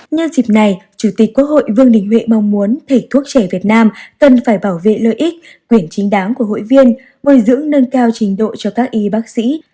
nhân dịp này chủ tịch quốc hội vương đình huệ mong muốn thầy thuốc chảy việt nam cần phải bảo vệ lợi ích quyển chính đáng của hội viên mời giữ nâng cao trình độ cho các y bác sĩ